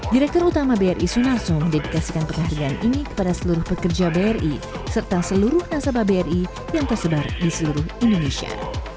direktur utama bri sunarso mendedikasikan penghargaan ini kepada seluruh pekerja bri serta seluruh nasabah bri yang tersebar di seluruh indonesia